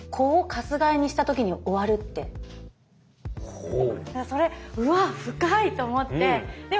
ほう。